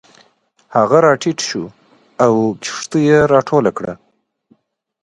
هغه راټیټ شو او کښتۍ یې راټوله کړه.